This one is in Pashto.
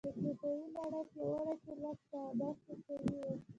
د صفوي لړۍ پیاوړی ټولواک شاه عباس صفوي و.